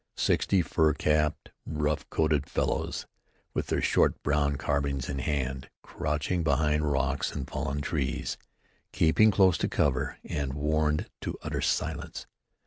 Sixty fur capped, rough coated fellows, with their short brown carbines in hand, crouching behind rocks and fallen trees, keeping close to cover and warned to utter silence.